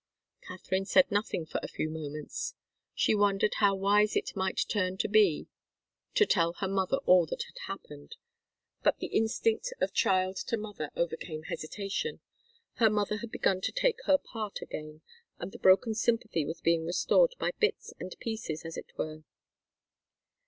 Katharine said nothing for a few moments. She wondered how wise it might turn to be to tell her mother all that had happened. But the instinct of child to mother overcame hesitation. Her mother had begun to take her part again, and the broken sympathy was being restored by bits and pieces, as it were.